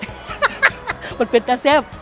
คนอีสานก็นิยมกินปลาร้าดิบสุกอย่างเงี้ยคือมันอร่อย